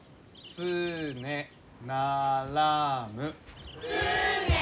「つねならむ」。